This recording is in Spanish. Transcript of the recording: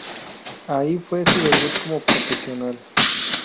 Ahí fue su debut como profesional.